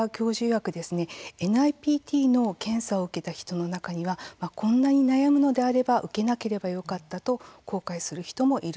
いわくＮＩＰＴの検査を受けた人の中にはこんなに悩むのであれば受けなければよかったと後悔する人もいるそうです。